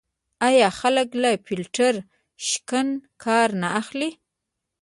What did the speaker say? آیا خلک له فیلټر شکن کار نه اخلي؟